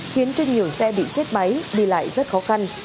khiến cho nhiều xe bị chết máy đi lại rất khó khăn